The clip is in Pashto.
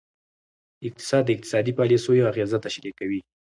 اقتصاد د اقتصادي پالیسیو اغیزه تشریح کوي.